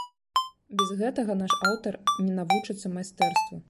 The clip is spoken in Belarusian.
Без гэтага наш аўтар не навучыцца майстэрству.